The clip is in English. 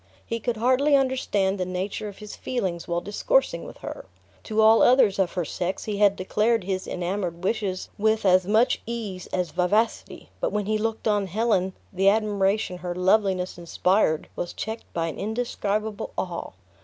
He could hardly understand the nature of his feelings while discoursing with her. To all others of her sex he had declared his enamored wishes with as much ease as vivacity, but when he looked on Helen the admiration her loveliness inspired was checked by an indescribable awe.